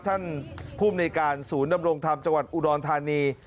ท่านภูมิในการศูนย์ดำรงธรรมจังหวัดอุดรธานี